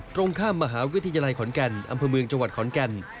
ตรงข้ามมหาวิทยาลัยขอนแก่นอำเภอเมืองจังหวัดขอนแก่น